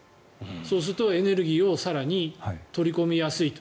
そうするとエネルギーを更に取り込みやすいと。